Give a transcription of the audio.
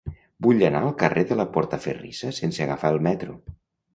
Vull anar al carrer de la Portaferrissa sense agafar el metro.